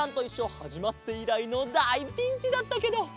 はじまっていらいのだいピンチだったけど。